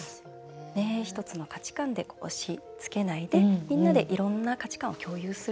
１つの価値観で押しつけないでみんなで、いろんな価値観を共有する。